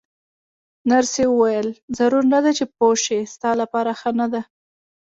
نرسې وویل: ضرور نه ده چې پوه شې، ستا لپاره ښه نه ده.